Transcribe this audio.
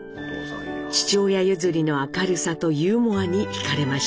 父親譲りの明るさとユーモアに惹かれました。